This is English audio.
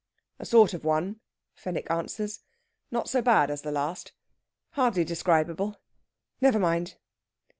"A sort of one," Fenwick answers. "Not so bad as the last. Hardly describable! Never mind."